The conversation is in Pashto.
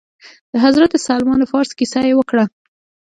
د حضرت سلمان فارس کيسه يې وکړه.